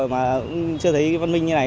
mà chưa thấy văn minh như này